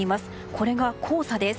これが黄砂です。